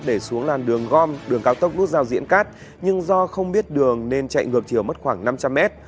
để xuống làn đường gom đường cao tốc nút giao diễn cát nhưng do không biết đường nên chạy ngược chiều mất khoảng năm trăm linh mét